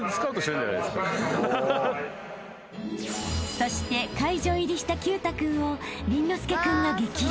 ［そして会場入りした毬太君を倫之亮君が激励］